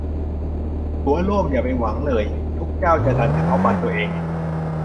ตั๋วร่วมอย่าไปหวังเลย ทุกเจ้าจะดันเฉพาะบัตรตัวเอง